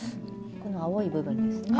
この青い部分ですね。